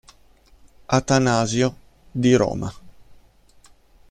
Atanasio”" di Roma.